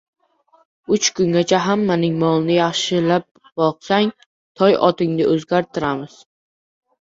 Uch kungacha hammaning molini yaxshilab boqsang, Toy otingni o‘zgartiramiz.